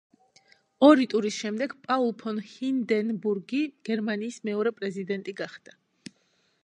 ორი ტურის შემდეგ პაულ ფონ ჰინდენბურგი გერმანიის მეორე პრეზიდენტი გახდა.